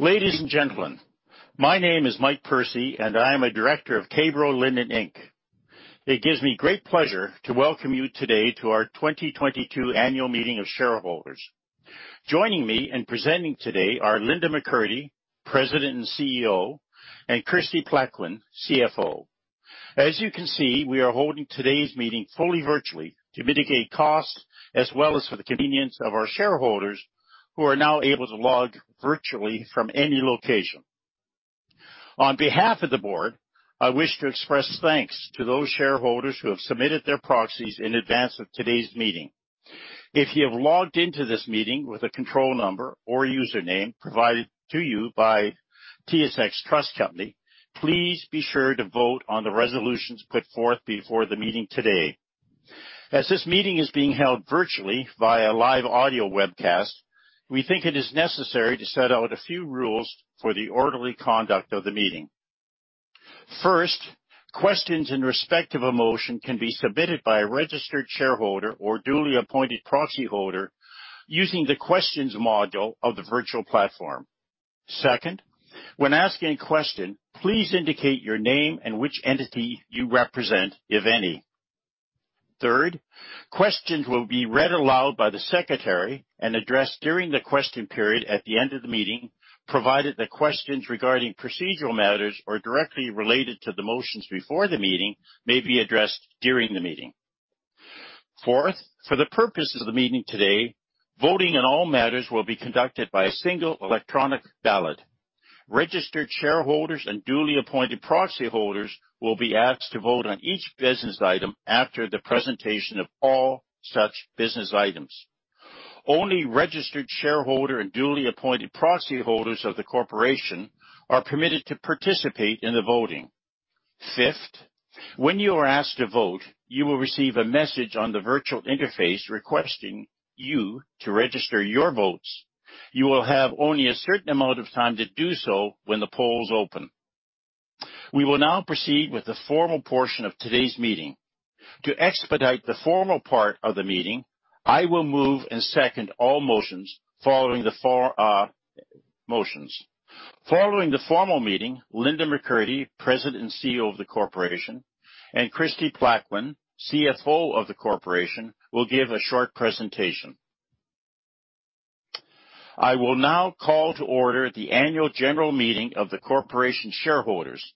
Ladies, and gentlemen, my name is Mike Percy, and I am a Director of K-Bro Linen, Inc. It gives me great pleasure to welcome you today to our 2022 annual meeting of shareholders. Joining me in presenting today are Linda McCurdy, President and CEO, and Kristie Plaquin, CFO. As you can see, we are holding today's meeting fully virtually to mitigate costs as well as for the convenience of our shareholders who are now able to log virtually from any location. On behalf of the board, I wish to express thanks to those shareholders who have submitted their proxies in advance of today's meeting. If you have logged into this meeting with a control number or username provided to you by TSX Trust Company, please be sure to vote on the resolutions put forth before the meeting today. As this meeting is being held virtually via live audio webcast, we think it is necessary to set out a few rules for the orderly conduct of the meeting. First, questions in respect of a motion can be submitted by a registered shareholder or duly appointed proxy holder using the questions module of the virtual platform. Second, when asking a question, please indicate your name and which entity you represent, if any. Third, questions will be read aloud by the secretary and addressed during the question period at the end of the meeting, provided that questions regarding procedural matters are directly related to the motions before the meeting may be addressed during the meeting. Fourth, for the purposes of the meeting today, voting on all matters will be conducted by a single electronic ballot. Registered shareholders and duly appointed proxy holders will be asked to vote on each business item after the presentation of all such business items. Only registered shareholder and duly appointed proxy holders of the corporation are permitted to participate in the voting. Fifth, when you are asked to vote, you will receive a message on the virtual interface requesting you to register your votes. You will have only a certain amount of time to do so when the polls open. We will now proceed with the formal portion of today's meeting. To expedite the formal part of the meeting, I will move and second all motions following the four motions. Following the formal meeting, Linda McCurdy, President and CEO of the Corporation, and Kristie Plaquin, CFO of the Corporation, will give a short presentation. I will now call to order the annual general meeting of the corporation shareholders.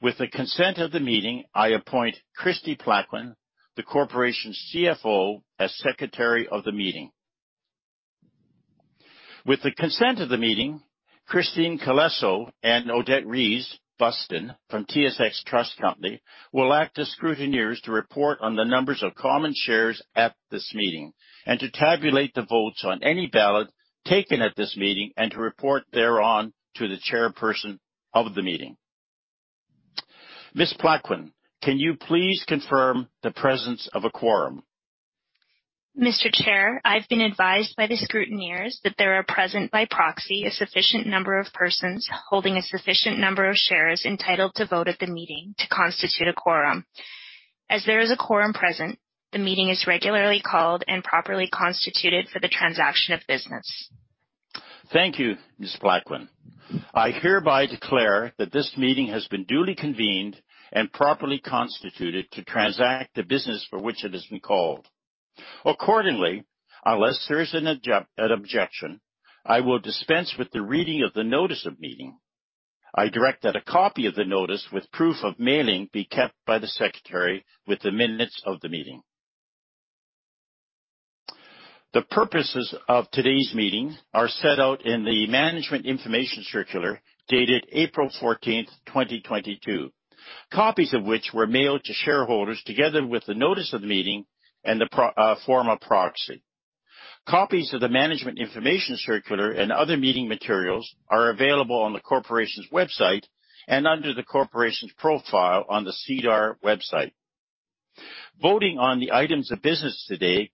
With the consent of the meeting, I appoint Kristie Plaquin, the corporation's CFO, as secretary of the meeting. With the consent of the meeting, Kristine Calesso and Odette Ries Bustin from TSX Trust Company will act as scrutineers to report on the numbers of common shares at this meeting and to tabulate the votes on any ballot taken at this meeting and to report thereon to the chairperson of the meeting. Ms. Plaquin, can you please confirm the presence of a quorum? Mr. Chair, I've been advised by the scrutineers that there are present by proxy a sufficient number of persons holding a sufficient number of shares entitled to vote at the meeting to constitute a quorum. As there is a quorum present, the meeting is regularly called and properly constituted for the transaction of business. Thank you, Ms. Plaquin. I hereby declare that this meeting has been duly convened and properly constituted to transact the business for which it has been called. Accordingly, unless there is an objection, I will dispense with the reading of the notice of meeting. I direct that a copy of the notice with proof of mailing be kept by the secretary with the minutes of the meeting. The purposes of today's meeting are set out in the Management Information Circular dated April 14th, 2022, copies of which were mailed to shareholders together with the notice of the meeting and the form of proxy. Copies of the Management Information Circular and other meeting materials are available on the corporation's website and under the corporation's profile on the SEDAR website. Voting on the items of business today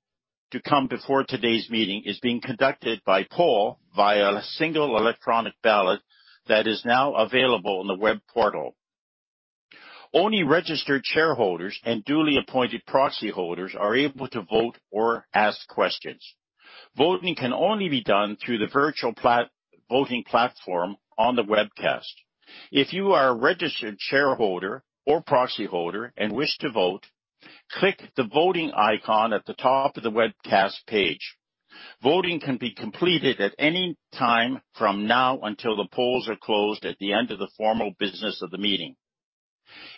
to come before today's meeting is being conducted by poll via a single electronic ballot that is now available on the web portal. Only registered shareholders and duly appointed proxy holders are able to vote or ask questions. Voting can only be done through the virtual voting platform on the webcast. If you are a registered shareholder or proxy holder and wish to vote, click the Voting icon at the top of the webcast page. Voting can be completed at any time from now until the polls are closed at the end of the formal business of the meeting.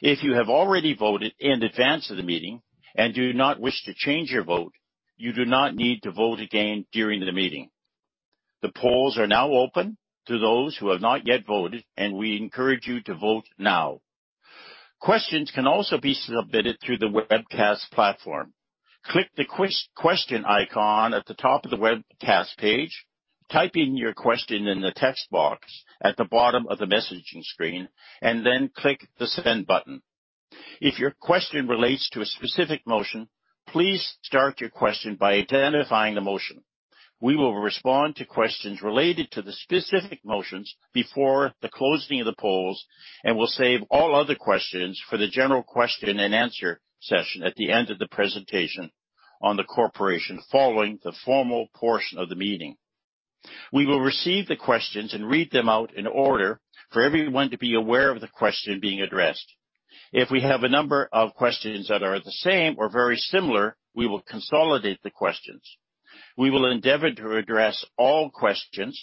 If you have already voted in advance of the meeting and do not wish to change your vote, you do not need to vote again during the meeting. The polls are now open to those who have not yet voted, and we encourage you to vote now. Questions can also be submitted through the webcast platform. Click the question icon at the top of the webcast page, type in your question in the text box at the bottom of the messaging screen, and then click the Send button. If your question relates to a specific motion, please start your question by identifying the motion. We will respond to questions related to the specific motions before the closing of the polls, and we'll save all other questions for the general question-and-answer session at the end of the presentation on the corporation following the formal portion of the meeting. We will receive the questions and read them out in order for everyone to be aware of the question being addressed. If we have a number of questions that are the same or very similar, we will consolidate the questions. We will endeavor to address all questions,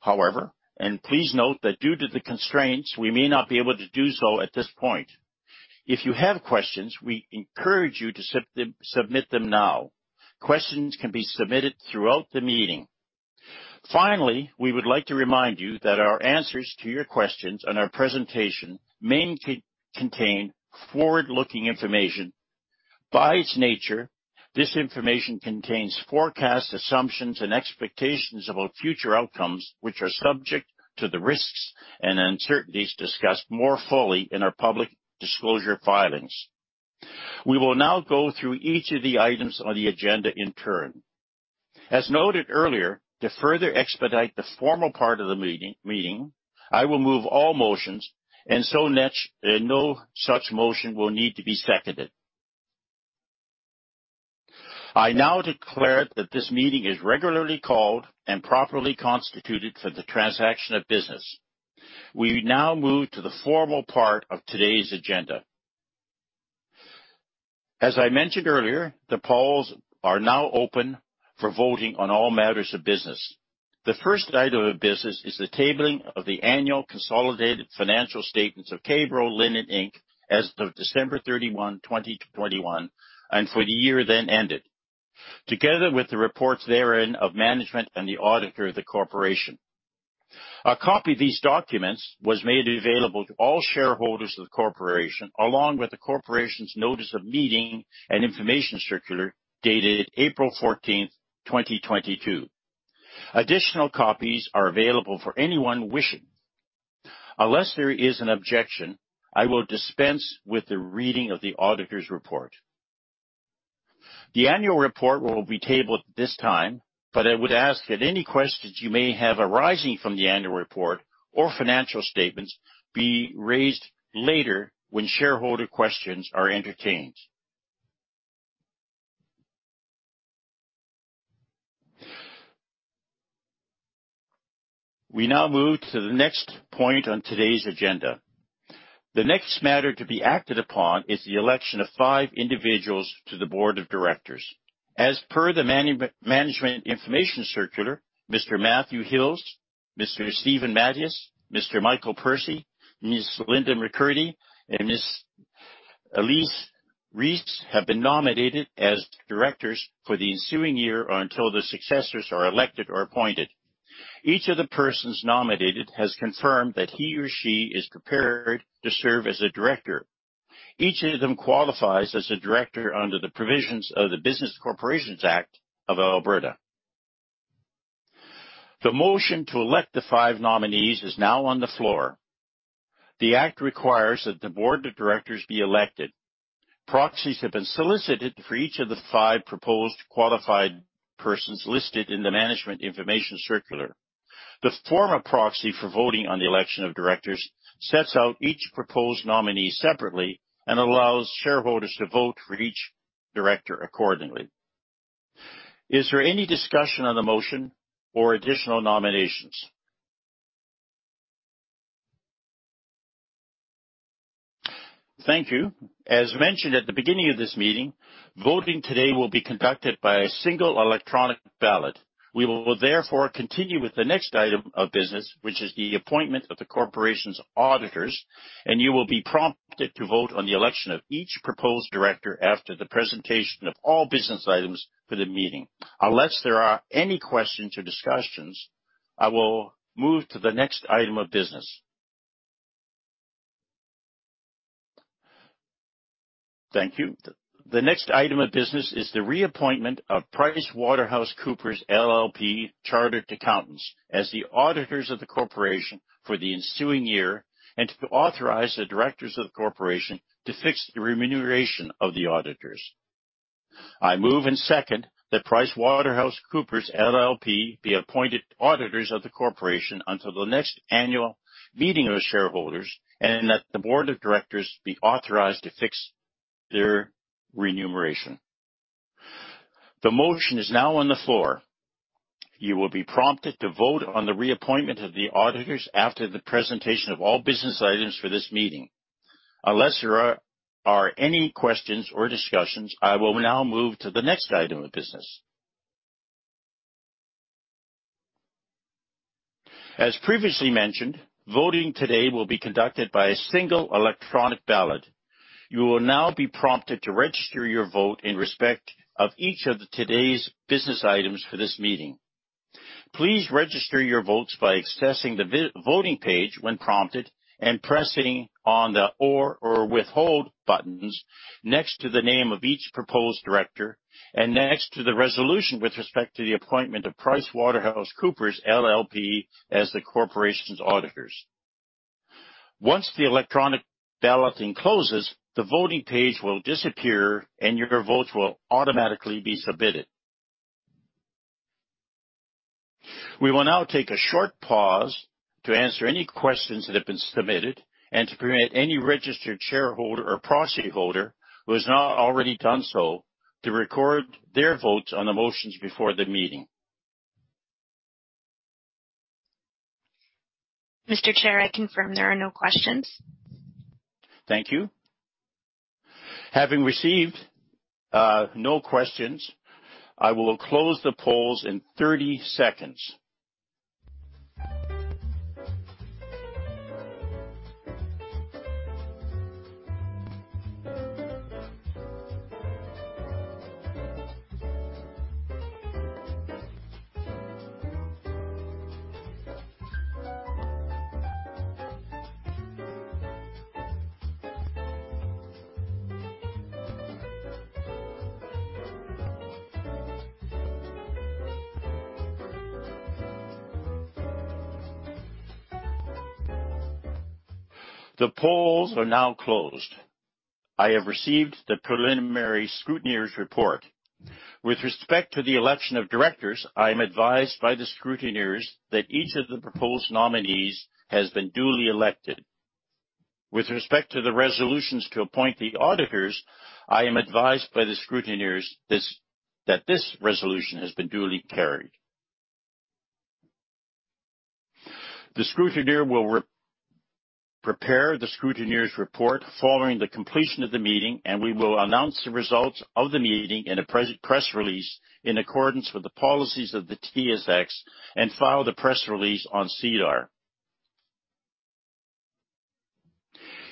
however, and please note that due to the constraints, we may not be able to do so at this point. If you have questions, we encourage you to submit them now. Questions can be submitted throughout the meeting. Finally, we would like to remind you that our answers to your questions and our presentation may contain forward-looking information. By its nature, this information contains forecasts, assumptions, and expectations about future outcomes, which are subject to the risks and uncertainties discussed more fully in our public disclosure filings. We will now go through each of the items on the agenda in turn. As noted earlier, to further expedite the formal part of the meeting, I will move all motions and no such motion will need to be seconded. I now declare that this meeting is regularly called and properly constituted for the transaction of business. We now move to the formal part of today's agenda. As I mentioned earlier, the polls are now open for voting on all matters of business. The first item of business is the tabling of the annual consolidated financial statements of K-Bro Linen, Inc, as of December 31, 2021, and for the year then ended, together with the reports therein of management and the auditor of the corporation. A copy of these documents was made available to all shareholders of the corporation, along with the corporation's Notice of Meeting and Information Circular dated April 14th, 2022. Additional copies are available for anyone wishing. Unless there is an objection, I will dispense with the reading of the auditor's report. The annual report will be tabled at this time, but I would ask that any questions you may have arising from the annual report or financial statements be raised later when shareholder questions are entertained. We now move to the next point on today's agenda. The next matter to be acted upon is the election of five individuals to the Board of Directors. As per the management information circular, Mr. Matthew Hills, Mr. Steven Matyas, Mr. Michael Percy, Ms. Linda McCurdy, and Ms. Elise Rees have been nominated as directors for the ensuing year or until the successors are elected or appointed. Each of the persons nominated has confirmed that he or she is prepared to serve as a director. Each of them qualifies as a director under the provisions of the Business Corporations Act (Alberta). The motion to elect the five nominees is now on the floor. The act requires that the Board of Directors be elected. Proxies have been solicited for each of the five proposed qualified persons listed in the management information circular. The form of proxy for voting on the election of directors sets out each proposed nominee separately and allows shareholders to vote for each director accordingly. Is there any discussion on the motion or additional nominations? Thank you. As mentioned at the beginning of this meeting, voting today will be conducted by a single electronic ballot. We will therefore continue with the next item of business, which is the appointment of the corporation's auditors, and you will be prompted to vote on the election of each proposed director after the presentation of all business items for the meeting. Unless there are any questions or discussions, I will move to the next item of business. Thank you. The next item of business is the reappointment of PricewaterhouseCoopers LLP Chartered Accountants as the auditors of the corporation for the ensuing year and to authorize the directors of the corporation to fix the remuneration of the auditors. I move and second that PricewaterhouseCoopers LLP be appointed auditors of the corporation until the next annual meeting of the shareholders, and that the Board of Directors be authorized to fix their remuneration. The motion is now on the floor. You will be prompted to vote on the reappointment of the auditors after the presentation of all business items for this meeting. Unless there are any questions or discussions, I will now move to the next item of business. As previously mentioned, voting today will be conducted by a single electronic ballot. You will now be prompted to register your vote in respect of each of today's business items for this meeting. Please register your votes by accessing the voting page when prompted and pressing on the for or withhold buttons next to the name of each proposed director and next to the resolution with respect to the appointment of PricewaterhouseCoopers LLP as the corporation's auditors. Once the electronic balloting closes, the voting page will disappear and your votes will automatically be submitted. We will now take a short pause to answer any questions that have been submitted and to permit any registered shareholder or proxy holder who has not already done so to record their votes on the motions before the meeting. Mr. Chair, I confirm there are no questions. Thank you. Having received no questions, I will close the polls in 30 seconds. The polls are now closed. I have received the preliminary scrutineers' report. With respect to the election of directors, I am advised by the scrutineers that each of the proposed nominees has been duly elected. With respect to the resolutions to appoint the auditors, I am advised by the scrutineers that this resolution has been duly carried. The scrutineer will re-prepare the scrutineers' report following the completion of the meeting, and we will announce the results of the meeting in a press release in accordance with the policies of the TSX and file the press release on SEDAR.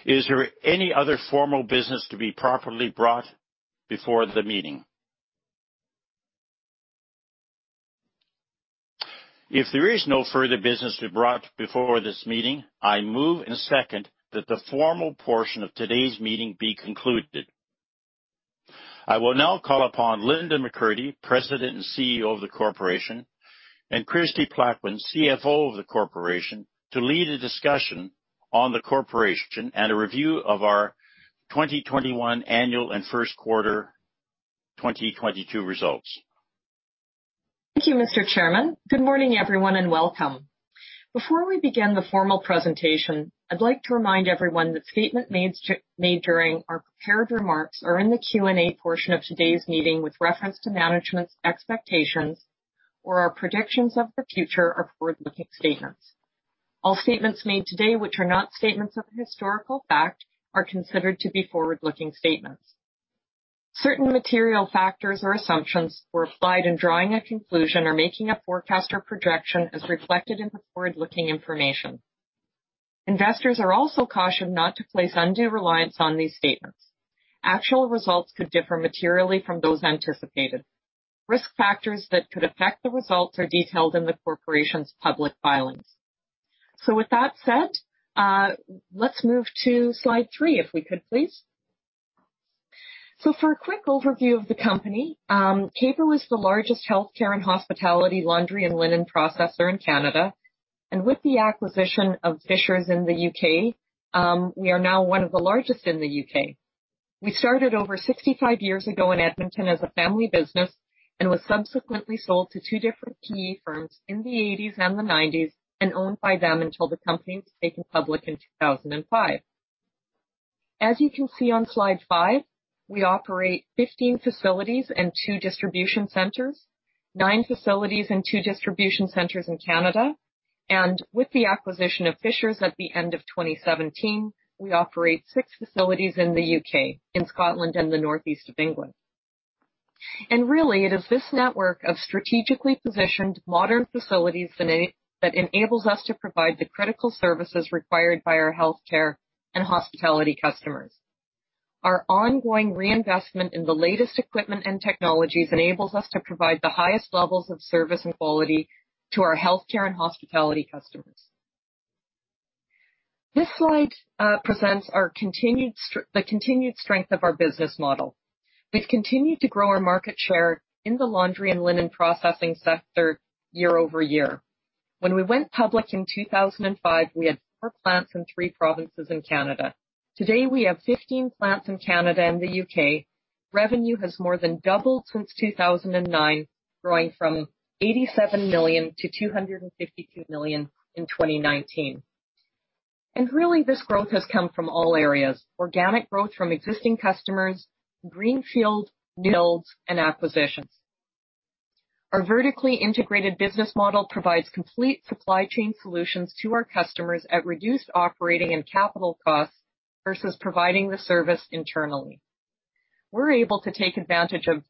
Is there any other formal business to be properly brought before the meeting? If there is no further business to be brought before this meeting, I move and second that the formal portion of today's meeting be concluded. I will now call upon Linda McCurdy, President and CEO of the Corporation, and Kristie Plaquin, CFO of the Corporation, to lead a discussion on the corporation and a review of our 2021 annual and first quarter 2022 results. Thank you, Mr. Chairman. Good morning, everyone, and welcome. Before we begin the formal presentation, I'd like to remind everyone that statements made during our prepared remarks or in the Q&A portion of today's meeting with reference to management's expectations or our predictions of the future are forward-looking statements. All statements made today which are not statements of historical fact, are considered to be forward-looking statements. Certain material factors or assumptions were applied in drawing a conclusion or making a forecast or projection as reflected in the forward-looking information. Investors are also cautioned not to place undue reliance on these statements. Actual results could differ materially from those anticipated. Risk factors that could affect the results are detailed in the corporation's public filings. With that said, let's move to slide three if we could, please. For a quick overview of the company, K-Bro is the largest healthcare and hospitality laundry and linen processor in Canada. With the acquisition of Fishers in the U.K., we are now one of the largest in the U.K. We started over 65 years ago in Edmonton as a family business and was subsequently sold to two different PE firms in the 1980s and the 1990s and owned by them until the company was taken public in 2005. As you can see on slide five, we operate 15 facilities and two distribution centers, nine facilities and two distribution centers in Canada. With the acquisition of Fishers at the end of 2017, we operate six facilities in the U.K., in Scotland and the Northeast of England. Really it is this network of strategically positioned modern facilities that enables us to provide the critical services required by our healthcare and hospitality customers. Our ongoing reinvestment in the latest equipment and technologies enables us to provide the highest levels of service and quality to our healthcare and hospitality customers. This slide presents our continued the continued strength of our business model. We've continued to grow our market share in the laundry and linen processing sector year-over-year. When we went public in 2005, we had four plants in three provinces in Canada. Today, we have 15 plants in Canada and the U.K. Revenue has more than doubled since 2009, growing from 87 million-252 million in 2019. Really this growth has come from all areas. Organic growth from existing customers, greenfield builds and acquisitions. Our vertically integrated business model provides complete supply chain solutions to our customers at reduced operating and capital costs versus providing the service internally. We're able to take advantage of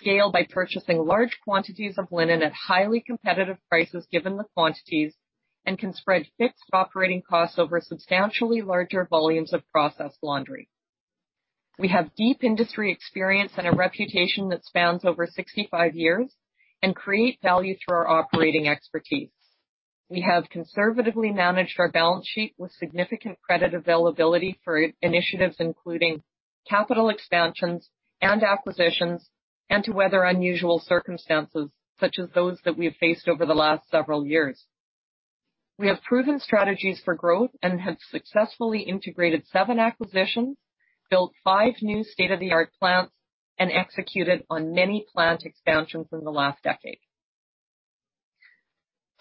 scale by purchasing large quantities of linen at highly competitive prices given the quantities, and can spread fixed operating costs over substantially larger volumes of processed laundry. We have deep industry experience and a reputation that spans over 65 years and create value through our operating expertise. We have conservatively managed our balance sheet with significant credit availability for initiatives including capital expansions and acquisitions, and to weather unusual circumstances such as those that we have faced over the last several years. We have proven strategies for growth and have successfully integrated three acquisitions, built five new state-of-the-art plants, and executed on many plant expansions in the last decade.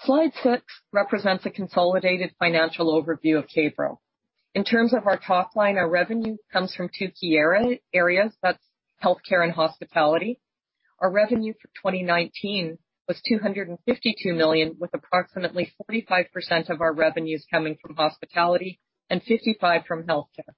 Slide six represents a consolidated financial overview of K-Bro. In terms of our top line, our revenue comes from two key areas. That's healthcare and hospitality. Our revenue for 2019 was 252 million, with approximately 45% of our revenues coming from hospitality and 55% from healthcare.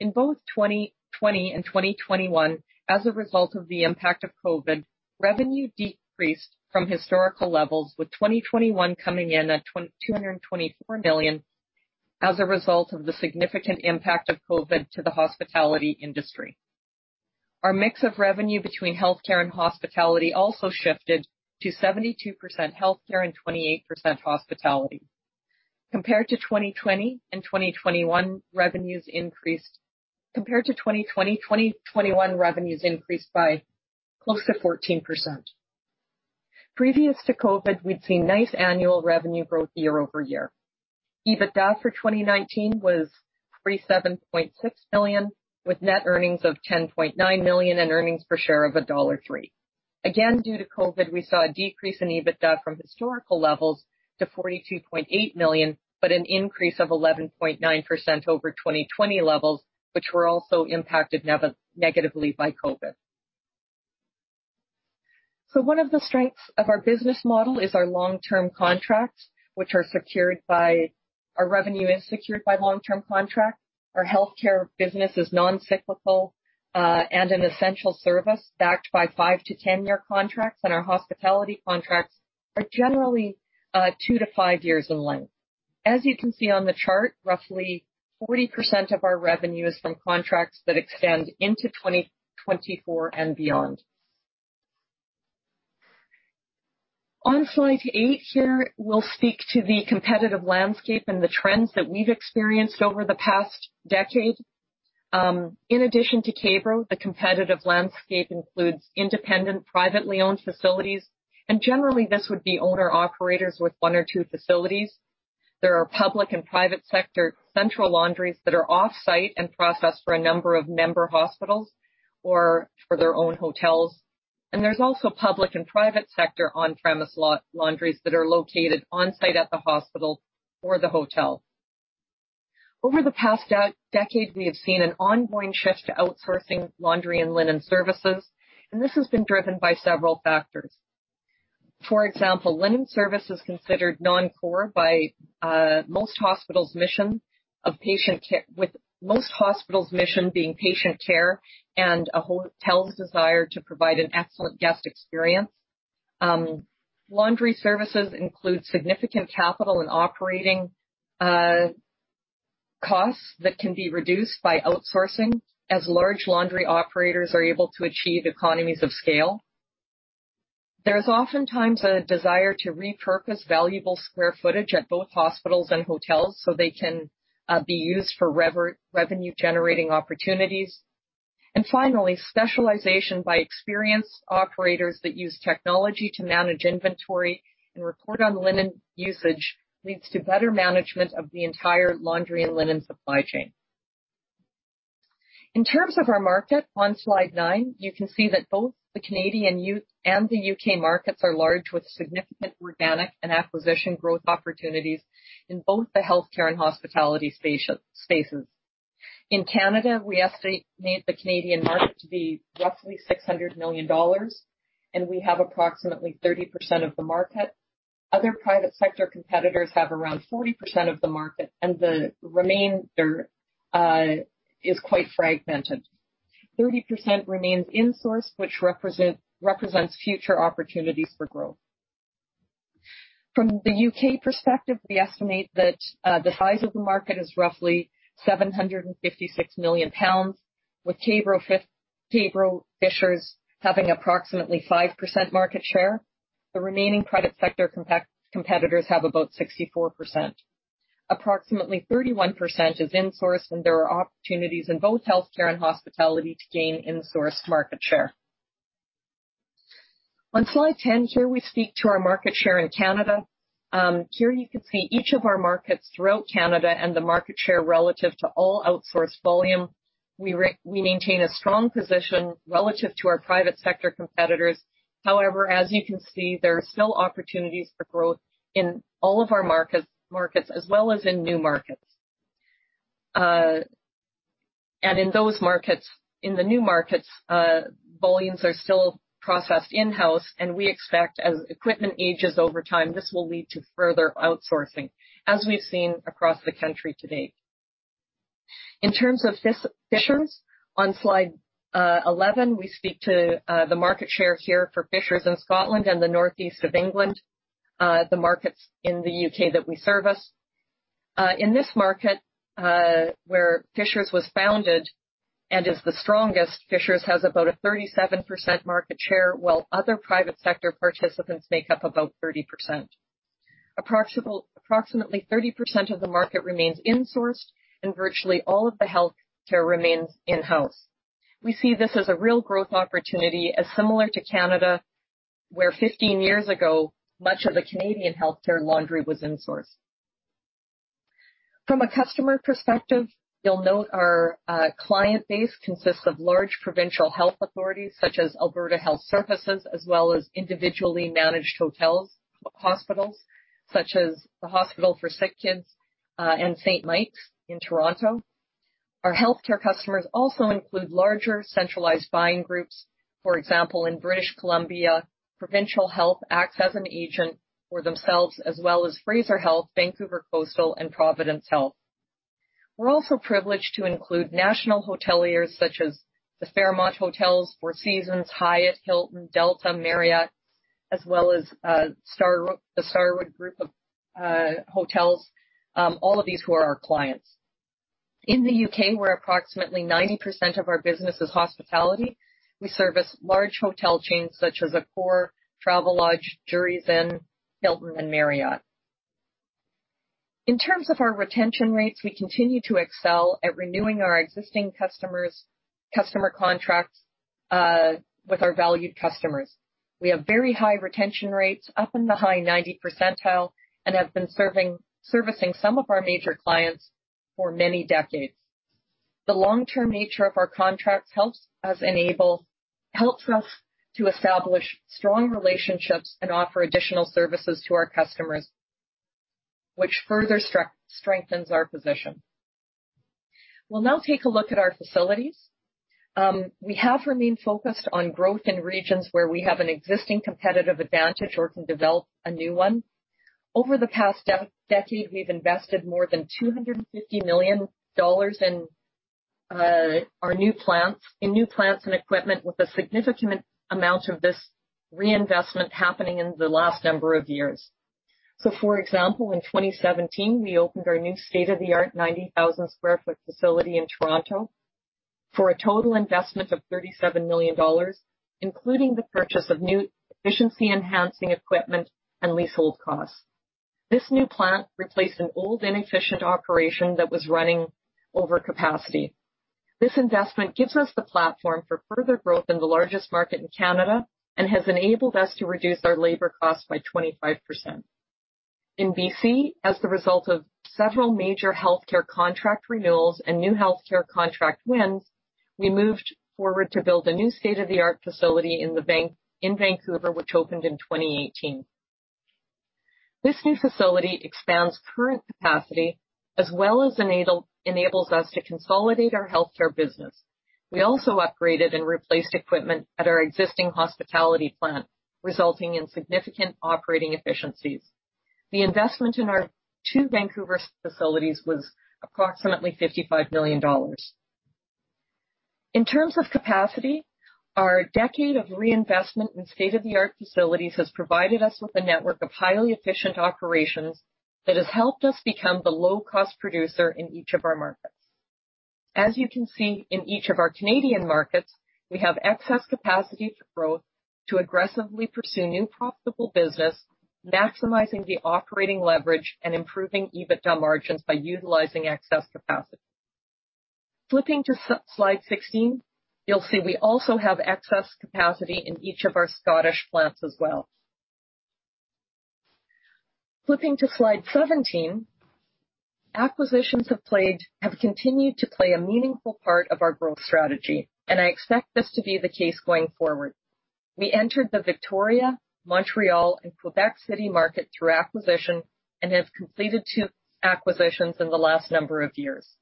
In both 2020 and 2021, as a result of the impact of COVID, revenue decreased from historical levels, with 2021 coming in at 224 million as a result of the significant impact of COVID to the hospitality industry. Our mix of revenue between healthcare and hospitality also shifted to 72% healthcare and 28% hospitality. Compared to 2020, 2021 revenues increased by close to 14%. Previous to COVID, we'd seen nice annual revenue growth year-over-year. EBITDA for 2019 was 47.6 million, with net earnings of 10.9 million and earnings per share of dollar 1.03. Again, due to COVID, we saw a decrease in EBITDA from historical levels to 42.8 million, but an increase of 11.9% over 2020 levels, which were also impacted negatively by COVID. One of the strengths of our business model is our long-term contracts. Our revenue is secured by long-term contracts. Our healthcare business is non-cyclical, and an essential service backed by five to 10-year contracts. Our hospitality contracts are generally two to five years in length. As you can see on the chart, roughly 40% of our revenue is from contracts that extend into 2024 and beyond. On slide eight here, we'll speak to the competitive landscape and the trends that we've experienced over the past decade. In addition to K-Bro, the competitive landscape includes independent, privately owned facilities, and generally this would be owner-operators with one or two facilities. There are public and private sector central laundries that are off-site and process for a number of member hospitals or for their own hotels. There's also public and private sector on-premise laundries that are located on-site at the hospital or the hotel. Over the past decade, we have seen an ongoing shift to outsourcing laundry and linen services, and this has been driven by several factors. For example, linen service is considered non-core by most hospitals, with most hospitals' mission being patient care and a hotel's desire to provide an excellent guest experience. Laundry services include significant capital and operating costs that can be reduced by outsourcing, as large laundry operators are able to achieve economies of scale. There's oftentimes a desire to repurpose valuable square footage at both hospitals and hotels so they can be used for revenue generating opportunities. Finally, specialization by experienced operators that use technology to manage inventory and report on linen usage leads to better management of the entire laundry and linen supply chain. In terms of our market, on slide nine, you can see that both the Canadian and the U.K. markets are large, with significant organic and acquisition growth opportunities in both the healthcare and hospitality spaces. In Canada, we estimate the Canadian market to be roughly 600 million dollars, and we have approximately 30% of the market. Other private sector competitors have around 40% of the market, and the remainder is quite fragmented. 30% remains in-sourced, which represents future opportunities for growth. From the U.K. perspective, we estimate that the size of the market is roughly 756 million pounds, with K-Bro Fishers having approximately 5% market share. The remaining private sector competitors have about 64%. Approximately 31% is in-sourced, and there are opportunities in both healthcare and hospitality to gain in-sourced market share. On slide 10, here we speak to our market share in Canada. Here you can see each of our markets throughout Canada and the market share relative to all outsourced volume. We maintain a strong position relative to our private sector competitors. However, as you can see, there are still opportunities for growth in all of our markets as well as in new markets. In those markets, in the new markets, volumes are still processed in-house, and we expect as equipment ages over time, this will lead to further outsourcing, as we've seen across the country to date. In terms of Fishers, on slide 11, we speak to the market share here for Fishers in Scotland and the Northeast of England, the markets in the U.K. that we service. In this market, where Fishers was founded and is the strongest, Fishers has about a 37% market share, while other private sector participants make up about 30%. Approximately 30% of the market remains insourced, and virtually all of the healthcare remains in-house. We see this as a real growth opportunity similar to Canada, where 15 years ago, much of the Canadian healthcare laundry was insourced. From a customer perspective, you'll note our client base consists of large provincial health authorities such as Alberta Health Services, as well as individually managed hospitals such as the Hospital for Sick Kids and St. Michael's in Toronto. Our healthcare customers also include larger centralized buying groups, for example, in British Columbia, Provincial Health Services Authority acts as an agent for themselves as well as Fraser Health, Vancouver Coastal Health, and Providence Health Care. We're also privileged to include national hoteliers such as the Fairmont Hotels, Four Seasons, Hyatt, Hilton, Delta, Marriott, as well as Starwood, the Starwood group of hotels, all of these who are our clients. In the U.K., where approximately 90% of our business is hospitality, we service large hotel chains such as Accor, Travelodge, Jurys Inn, Hilton and Marriott. In terms of our retention rates, we continue to excel at renewing our existing customer contracts with our valued customers. We have very high retention rates, up in the high 90 percentile, and have been servicing some of our major clients for many decades. The long-term nature of our contracts helps us to establish strong relationships and offer additional services to our customers, which further strengthens our position. We'll now take a look at our facilities. We have remained focused on growth in regions where we have an existing competitive advantage or can develop a new one. Over the past decade, we've invested more than 250 million dollars in our new plants and equipment, with a significant amount of this reinvestment happening in the last number of years. For example, in 2017, we opened our new state-of-the-art 90,000 sq ft facility in Toronto for a total investment of 37 million dollars, including the purchase of new efficiency-enhancing equipment and leasehold costs. This new plant replaced an old, inefficient operation that was running over capacity. This investment gives us the platform for further growth in the largest market in Canada and has enabled us to reduce our labor costs by 25%. In B.C., as the result of several major healthcare contract renewals and new healthcare contract wins, we moved forward to build a new state-of-the-art facility in Vancouver, which opened in 2018. This new facility expands current capacity as well as enables us to consolidate our healthcare business. We also upgraded and replaced equipment at our existing hospitality plant, resulting in significant operating efficiencies. The investment in our two Vancouver facilities was approximately 55 million dollars. In terms of capacity, our decade of reinvestment in state-of-the-art facilities has provided us with a network of highly efficient operations that has helped us become the low-cost producer in each of our markets. As you can see in each of our Canadian markets, we have excess capacity for growth to aggressively pursue new profitable business, maximizing the operating leverage and improving EBITDA margins by utilizing excess capacity. Flipping to slide 16, you'll see we also have excess capacity in each of our Scottish plants as well. Flipping to slide 17. Acquisitions have continued to play a meaningful part of our growth strategy, and I expect this to be the case going forward. We entered the Victoria, Montreal and Quebec City market through acquisition and have completed two acquisitions in the last number of years.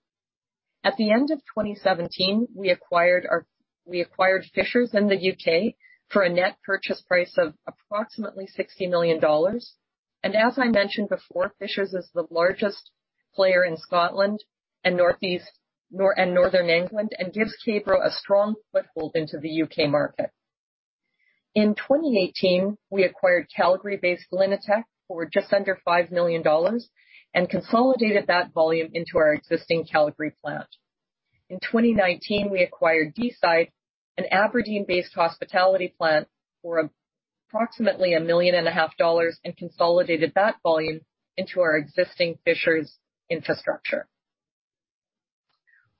At the end of 2017, we acquired Fishers in the U.K. for a net purchase price of approximately 60 million dollars. As I mentioned before, Fishers is the largest player in Scotland and Northeast and Northern England and gives K-Bro a strong foothold into the U.K. market. In 2018, we acquired Calgary-based Linitek for just under 5 million dollars and consolidated that volume into our existing Calgary plant. In 2019, we acquired Deeside, an Aberdeen-based hospitality plant, for approximately 1.5 million, and consolidated that volume into our existing Fishers infrastructure.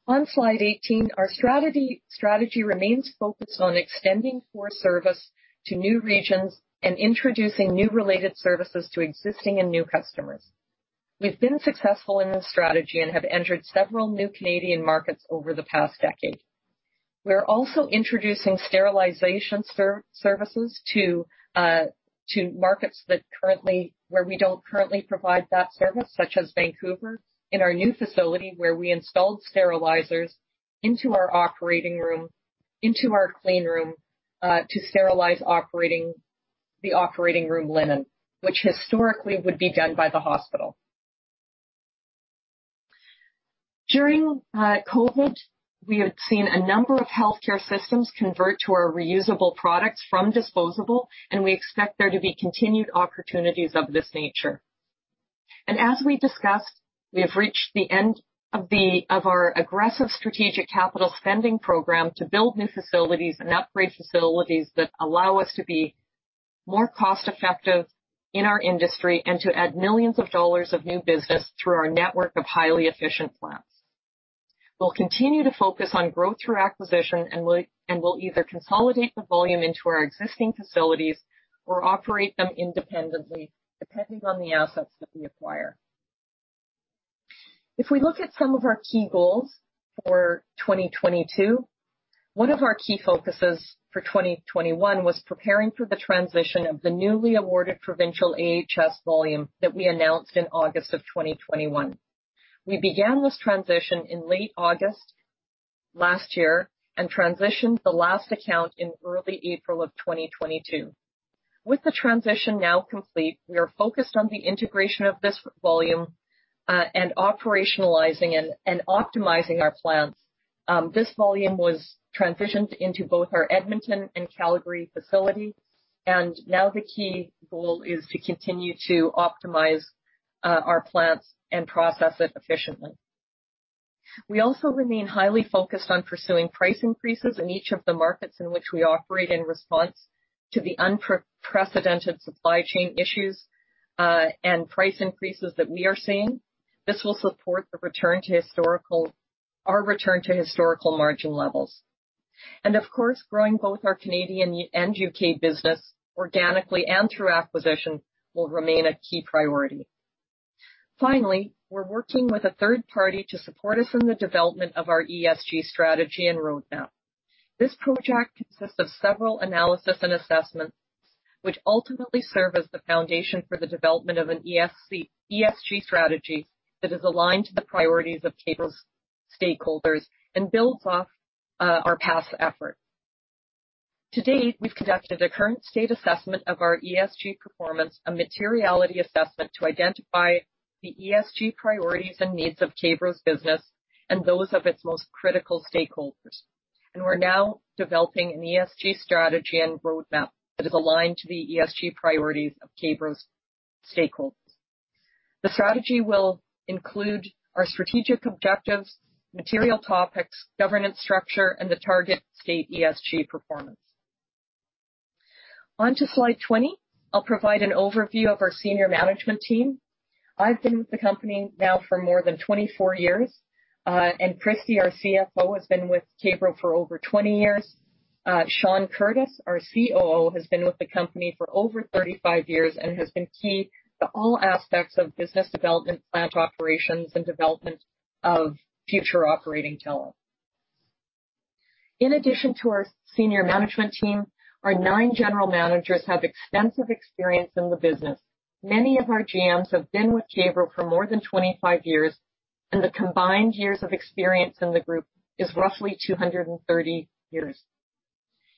On slide 18, our strategy remains focused on extending core service to new regions and introducing new related services to existing and new customers. We've been successful in this strategy and have entered several new Canadian markets over the past decade. We are also introducing sterilization services to markets where we don't currently provide that service, such as Vancouver, in our new facility, where we installed sterilizers into our operating room, into our clean room, to sterilize the operating room linen, which historically would be done by the hospital. During COVID, we have seen a number of healthcare systems convert to our reusable products from disposable, and we expect there to be continued opportunities of this nature. As we discussed, we have reached the end of our aggressive strategic capital spending program to build new facilities and upgrade facilities that allow us to be more cost effective in our industry and to add millions of CAD of new business through our network of highly efficient plants. We'll continue to focus on growth through acquisition, and we'll either consolidate the volume into our existing facilities or operate them independently, depending on the assets that we acquire. If we look at some of our key goals for 2022, one of our key focuses for 2021 was preparing for the transition of the newly awarded provincial AHS volume that we announced in August of 2021. We began this transition in late August last year and transitioned the last account in early April of 2022. With the transition now complete, we are focused on the integration of this volume and operationalizing and optimizing our plants. This volume was transitioned into both our Edmonton and Calgary facility, and now the key goal is to continue to optimize our plants and process it efficiently. We also remain highly focused on pursuing price increases in each of the markets in which we operate in response to the unprecedented supply chain issues and price increases that we are seeing. This will support our return to historical margin levels. Of course, growing both our Canadian and U.K. business organically and through acquisition will remain a key priority. Finally, we're working with a third party to support us in the development of our ESG strategy and roadmap. This project consists of several analysis and assessments, which ultimately serve as the foundation for the development of an ESG strategy that is aligned to the priorities of K-Bro's stakeholders and builds off our past efforts. To date, we've conducted a current state assessment of our ESG performance, a materiality assessment to identify the ESG priorities and needs of K-Bro's business and those of its most critical stakeholders. We're now developing an ESG strategy and roadmap that is aligned to the ESG priorities of K-Bro's stakeholders. The strategy will include our strategic objectives, material topics, governance structure, and the target state ESG performance. Onto slide 20. I'll provide an overview of our senior management team. I've been with the company now for more than 24 years. Kristie, our CFO, has been with K-Bro for over 20 years. Sean Curtis, our COO, has been with the company for over 35 years and has been key to all aspects of business development, plant operations, and development of future operating talent. In addition to our senior management team, our nine general managers have extensive experience in the business. Many of our GMs have been with K-Bro for more than 25 years, and the combined years of experience in the group is roughly 230 years.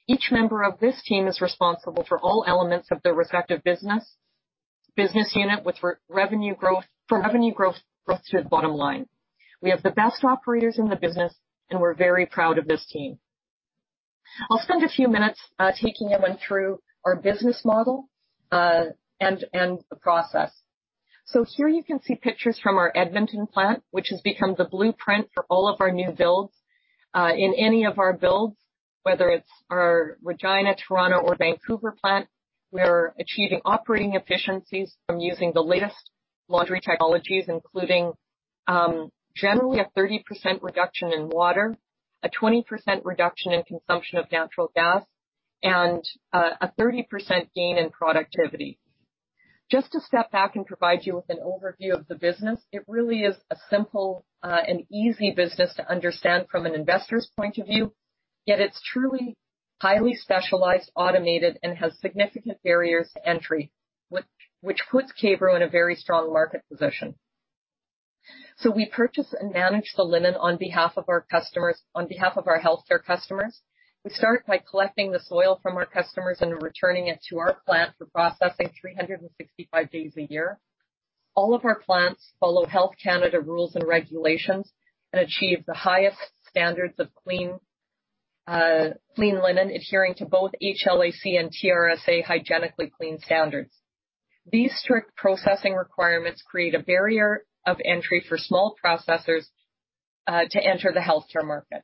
Each member of this team is responsible for all elements of their respective business unit with revenue growth, from revenue growth through to the bottom line. We have the best operators in the business, and we're very proud of this team. I'll spend a few minutes, taking everyone through our business model, and the process. Here you can see pictures from our Edmonton plant, which has become the blueprint for all of our new builds. In any of our builds, whether it's our Regina, Toronto, or Vancouver plant, we're achieving operating efficiencies from using the latest laundry technologies, including, generally a 30% reduction in water, a 20% reduction in consumption of natural gas, and, a 30% gain in productivity. Just to step back and provide you with an overview of the business, it really is a simple, and easy business to understand from an investor's point of view. Yet it's truly highly specialized, automated, and has significant barriers to entry, which puts K-Bro in a very strong market position. We purchase and manage the linen on behalf of our customers, on behalf of our healthcare customers. We start by collecting the soil from our customers and returning it to our plant for processing 365 days a year. All of our plants follow Health Canada rules and regulations and achieve the highest standards of clean linen, adhering to both HLAC and TRSA hygienically clean standards. These strict processing requirements create a barrier of entry for small processors to enter the healthcare market.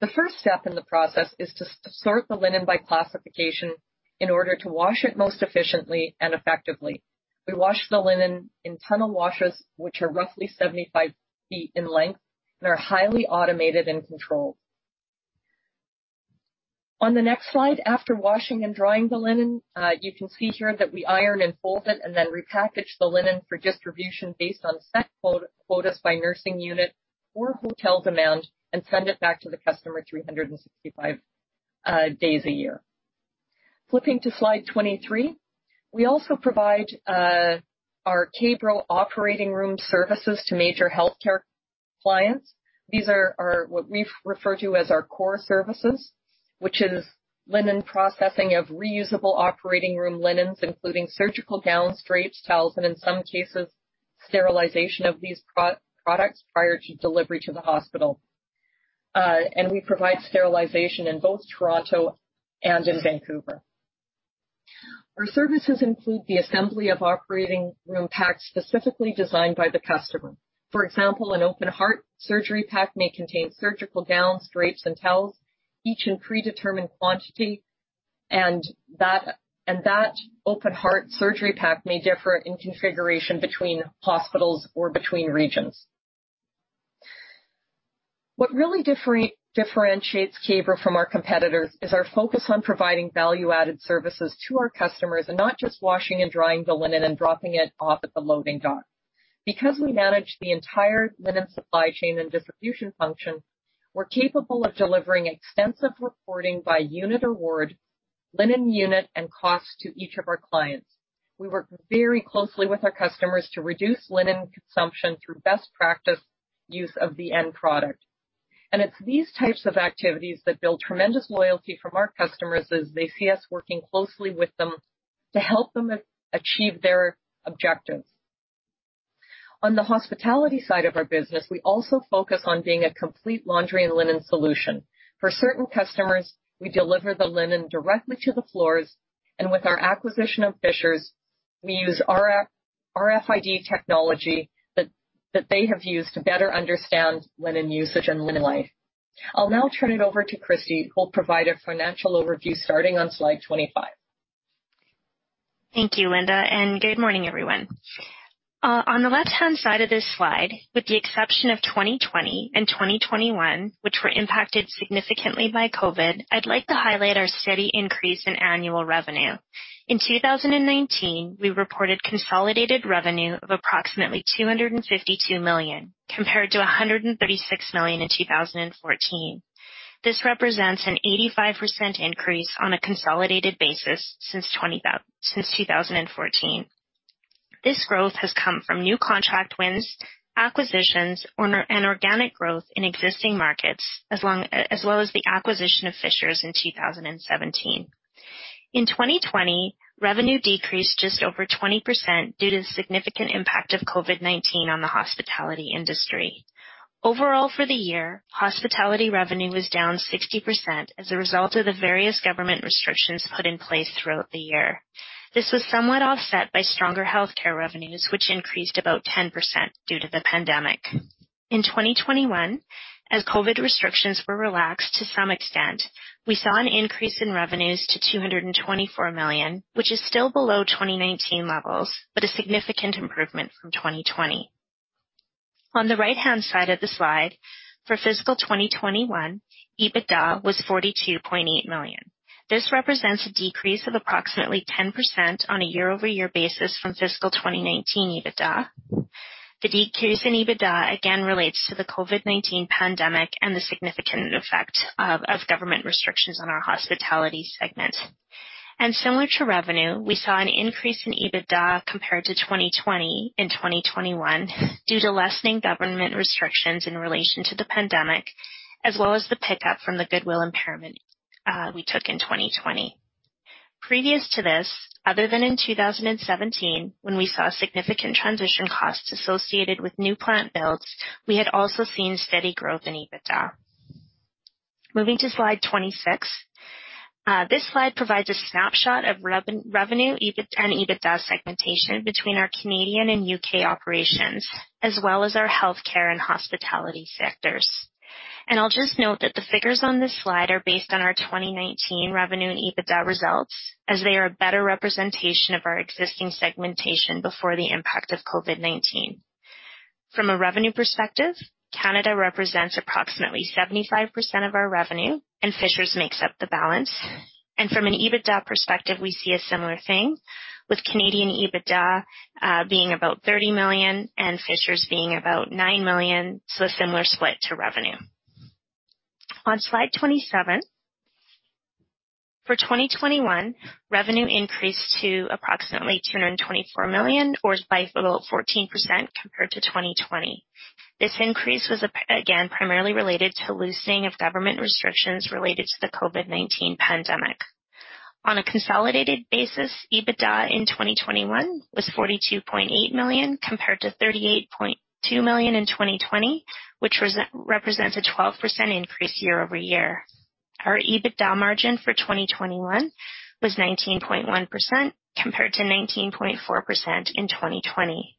The first step in the process is to sort the linen by classification in order to wash it most efficiently and effectively. We wash the linen in tunnel washers, which are roughly 75 ft in length and are highly automated and controlled. On the next slide, after washing and drying the linen, you can see here that we iron and fold it and then repackage the linen for distribution based on set quotas by nursing unit or hotel demand and send it back to the customer 365 days a year. Flipping to slide 23. We also provide our K-Bro operating room services to major healthcare clients. These are our, what we refer to as our core services, which is linen processing of reusable operating room linens, including surgical gowns, drapes, towels, and in some cases, sterilization of these products prior to delivery to the hospital. We provide sterilization in both Toronto and in Vancouver. Our services include the assembly of operating room packs specifically designed by the customer. For example, an open heart surgery pack may contain surgical gowns, drapes, and towels, each in predetermined quantity. That open heart surgery pack may differ in configuration between hospitals or between regions. What really differentiates K-Bro from our competitors is our focus on providing value-added services to our customers and not just washing and drying the linen and dropping it off at the loading dock. Because we manage the entire linen supply chain and distribution function, we're capable of delivering extensive reporting by unit or ward, linen unit, and cost to each of our clients. We work very closely with our customers to reduce linen consumption through best practice use of the end product. It's these types of activities that build tremendous loyalty from our customers as they see us working closely with them to help them achieve their objectives. On the hospitality side of our business, we also focus on being a complete laundry and linen solution. For certain customers, we deliver the linen directly to the floors, and with our acquisition of Fishers, we use RFID technology that they have used to better understand linen usage and linen life. I'll now turn it over to Kristie, who will provide a financial overview starting on slide 25. Thank you, Linda, and good morning, everyone. On the left-hand side of this slide, with the exception of 2020 and 2021, which were impacted significantly by COVID, I'd like to highlight our steady increase in annual revenue. In 2019, we reported consolidated revenue of approximately 252 million, compared to 136 million in 2014. This represents an 85% increase on a consolidated basis since 2014. This growth has come from new contract wins, acquisitions, and organic growth in existing markets, as well as the acquisition of Fishers in 2017. In 2020, revenue decreased just over 20% due to the significant impact of COVID-19 on the hospitality industry. Overall, for the year, hospitality revenue was down 60% as a result of the various government restrictions put in place throughout the year. This was somewhat offset by stronger healthcare revenues, which increased about 10% due to the pandemic. In 2021, as COVID restrictions were relaxed to some extent, we saw an increase in revenues to 224 million, which is still below 2019 levels, but a significant improvement from 2020. On the right-hand side of the slide, for fiscal 2021, EBITDA was 42.8 million. This represents a decrease of approximately 10% on a year-over-year basis from fiscal 2019 EBITDA. The decrease in EBITDA again relates to the COVID-19 pandemic and the significant effect of government restrictions on our hospitality segment. Similar to revenue, we saw an increase in EBITDA compared to 2020 in 2021 due to lessening government restrictions in relation to the pandemic, as well as the pickup from the goodwill impairment we took in 2020. Previous to this, other than in 2017, when we saw significant transition costs associated with new plant builds, we had also seen steady growth in EBITDA. Moving to slide 26. This slide provides a snapshot of revenue and EBITDA segmentation between our Canadian and U.K. operations, as well as our healthcare and hospitality sectors. I'll just note that the figures on this slide are based on our 2019 revenue and EBITDA results, as they are a better representation of our existing segmentation before the impact of COVID-19. From a revenue perspective, Canada represents approximately 75% of our revenue, and Fishers makes up the balance. From an EBITDA perspective, we see a similar thing, with Canadian EBITDA being about 30 million and Fishers being about 9 million, so a similar split to revenue. On slide 27. For 2021, revenue increased to approximately 224 million or by 14% compared to 2020. This increase was again, primarily related to the loosening of government restrictions related to the COVID-19 pandemic. On a consolidated basis, EBITDA in 2021 was 42.8 million, compared to 38.2 million in 2020, which represents a 12% increase year-over-year. Our EBITDA margin for 2021 was 19.1% compared to 19.4% in 2020.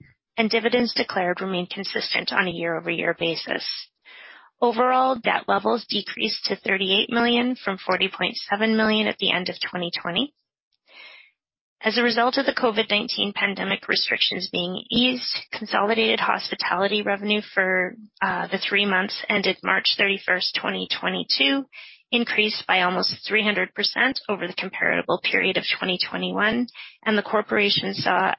Dividends declared remain consistent on a year-over-year basis. Overall, debt levels decreased to 38 million from 40.7 million at the end of 2020. As a result of the COVID-19 pandemic restrictions being eased, consolidated hospitality revenue for the three months ended March 31st, 2022, increased by almost 300% over the comparable period of 2021, and the corporation saw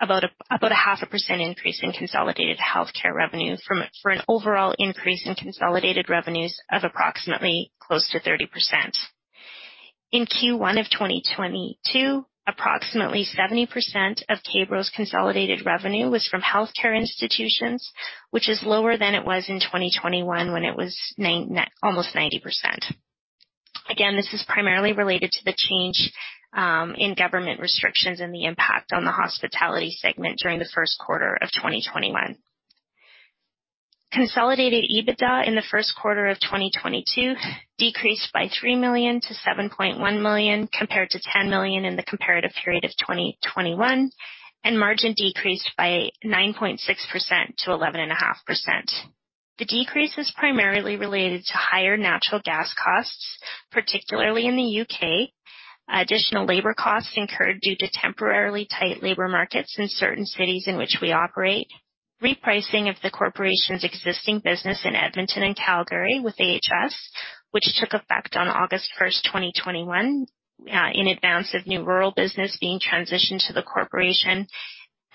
about a half a percent increase in consolidated healthcare revenue, for an overall increase in consolidated revenues of approximately close to 30%. In Q1 of 2022, approximately 70% of K-Bro's consolidated revenue was from healthcare institutions, which is lower than it was in 2021 when it was almost 90%. Again, this is primarily related to the change in government restrictions and the impact on the hospitality segment during the first quarter of 2021. Consolidated EBITDA in the first quarter of 2022 decreased by 3 million-7.1 million compared to 10 million in the comparative period of 2021, and margin decreased by 9.6%-11.5%. The decrease is primarily related to higher natural gas costs, particularly in the U.K. Additional labor costs incurred due to temporarily tight labor markets in certain cities in which we operate. Repricing of the corporation's existing business in Edmonton and Calgary with AHS, which took effect on August 1st, 2021, in advance of new rural business being transitioned to the corporation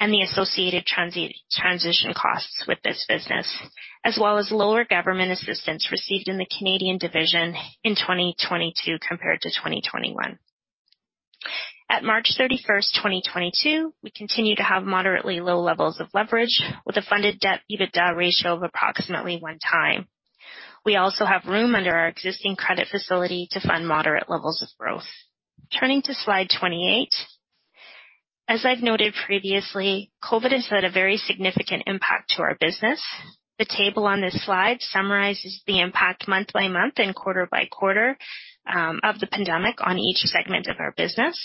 and the associated transition costs with this business, as well as lower government assistance received in the Canadian division in 2022 compared to 2021. At March 31st, 2022, we continue to have moderately low levels of leverage with a funded debt EBITDA ratio of approximately 1x. We also have room under our existing credit facility to fund moderate levels of growth. Turning to slide 28. As I've noted previously, COVID has had a very significant impact on our business. The table on this slide summarizes the impact month by month and quarter-by-quarter of the pandemic on each segment of our business.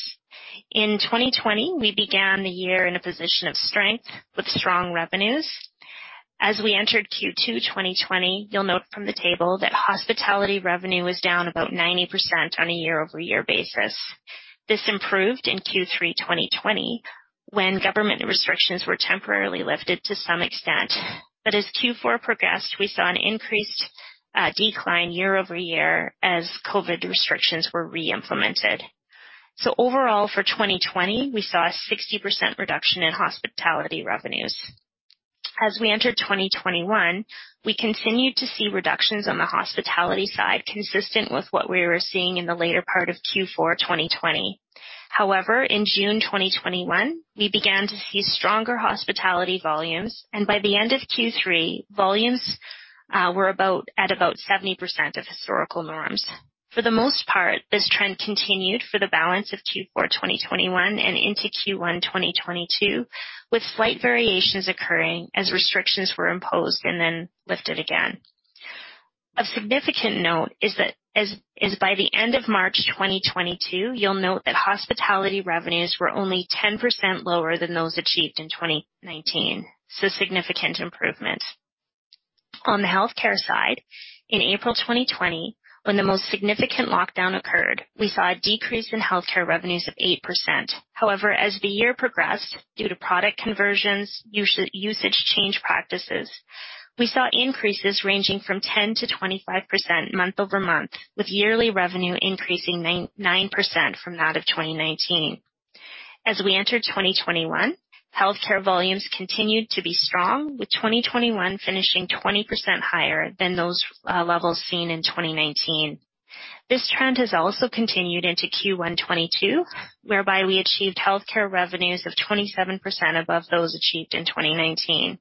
In 2020, we began the year in a position of strength with strong revenues. As we entered Q2 2020, you'll note from the table that hospitality revenue was down about 90% on a year-over-year basis. This improved in Q3 2020 when government restrictions were temporarily lifted to some extent. As Q4 progressed, we saw an increased decline year-over-year as COVID restrictions were reimplemented. Overall for 2020, we saw a 60% reduction in hospitality revenues. As we enter 2021, we continued to see reductions on the hospitality side, consistent with what we were seeing in the later part of Q4 2020. However, in June 2021, we began to see stronger hospitality volumes, and by the end of Q3, volumes were at about 70% of historical norms. For the most part, this trend continued for the balance of Q4 2021 and into Q1 2022, with slight variations occurring as restrictions were imposed and then lifted again. A significant note is that as by the end of March 2022, you'll note that hospitality revenues were only 10% lower than those achieved in 2019. Significant improvement. On the healthcare side, in April 2020, when the most significant lockdown occurred, we saw a decrease in healthcare revenues of 8%. However, as the year progressed, due to product conversions, usage change practices, we saw increases ranging from 10%-25% month-over-month, with yearly revenue increasing 9% from that of 2019. As we enter 2021, healthcare volumes continued to be strong, with 2021 finishing 20% higher than those levels seen in 2019. This trend has also continued into Q1 2022, whereby we achieved healthcare revenues of 27% above those achieved in 2019.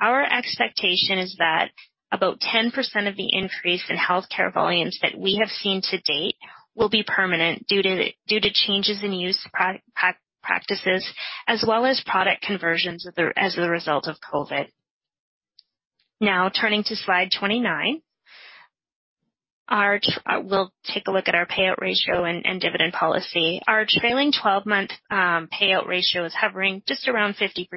Our expectation is that about 10% of the increase in healthcare volumes that we have seen to date will be permanent due to changes in use practices as well as product conversions as the result of COVID. Now turning to slide 29. We'll take a look at our payout ratio and dividend policy. Our trailing 12-month payout ratio is hovering just around 50%,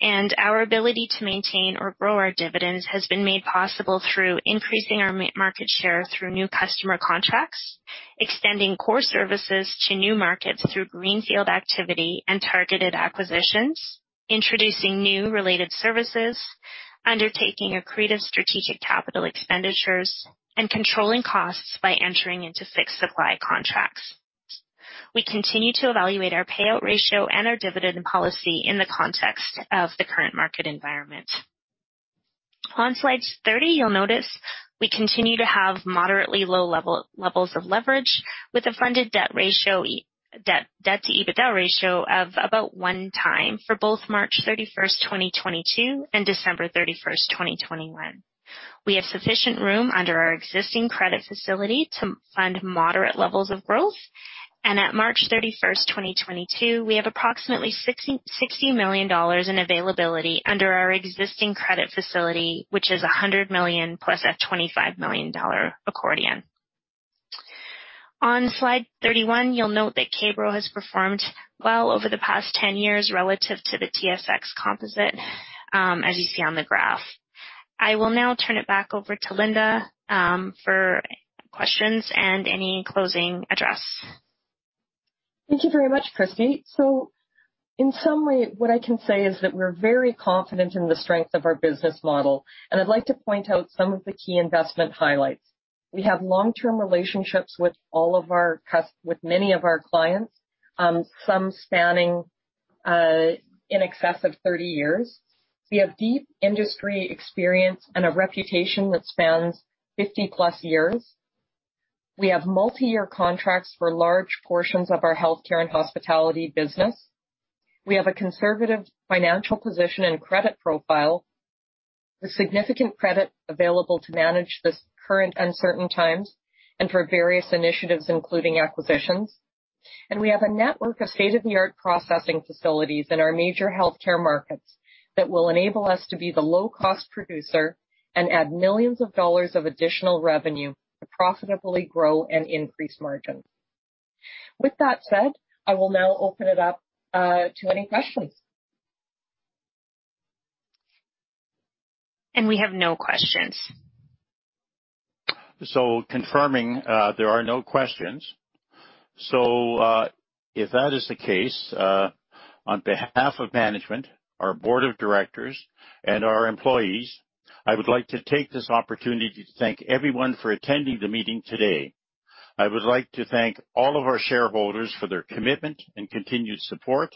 and our ability to maintain or grow our dividends has been made possible through increasing our market share through new customer contracts, extending core services to new markets through greenfield activity and targeted acquisitions, introducing new related services, undertaking accretive strategic capital expenditures, and controlling costs by entering into fixed supply contracts. We continue to evaluate our payout ratio and our dividend policy in the context of the current market environment. On slide 30, you'll notice we continue to have moderately low levels of leverage with a funded debt-to-EBITDA ratio of about 1x for both March 31st, 2022 and December 31st, 2021. We have sufficient room under our existing credit facility to fund moderate levels of growth. At March 31st, 2022, we have approximately 60 million dollars in availability under our existing credit facility, which is 100 million plus a 25 million dollar accordion. On slide 31, you'll note that K-Bro has performed well over the past 10 years relative to the TSX Composite, as you see on the graph. I will now turn it back over to Linda for questions and any closing address. Thank you very much, Kristie. In some way, what I can say is that we're very confident in the strength of our business model, and I'd like to point out some of the key investment highlights. We have long-term relationships with all of our—with many of our clients, some spanning in excess of 30 years. We have deep industry experience and a reputation that spans 50+ years. We have multi-year contracts for large portions of our healthcare and hospitality business. We have a conservative financial position and credit profile with significant credit available to manage this current uncertain times and for various initiatives, including acquisitions. We have a network of state-of-the-art processing facilities in our major healthcare markets that will enable us to be the low-cost producer and add millions of CAD of additional revenue to profitably grow and increase margins. With that said, I will now open it up to any questions. We have no questions. Confirming, there are no questions. If that is the case, on behalf of management, our Board of Directors and our employees, I would like to take this opportunity to thank everyone for attending the meeting today. I would like to thank all of our shareholders for their commitment and continued support,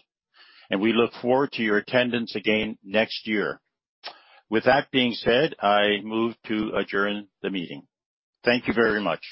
and we look forward to your attendance again next year. With that being said, I move to adjourn the meeting. Thank you very much.